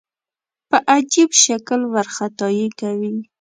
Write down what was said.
په عجیب شکل وارخطايي کوي.